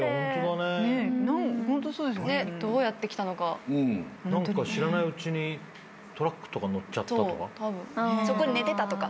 どうやって来たのか。何か知らないうちにトラックとか乗っちゃったとか？